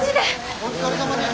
お疲れさまです。